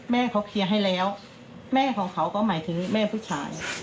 แม่เขาเคลียร์ให้แล้วแม่ของเขาก็หมายถึงแม่ผู้ชาย